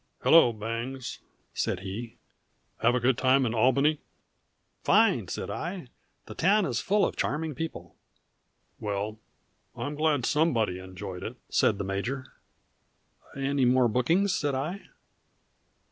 "Hello, Bangs!" said he. "Have a good time at Albany?" "Fine!" said I. "The town is full of charming people." "Well I'm glad somebody enjoyed it," said the major. "Any more bookings?" said I.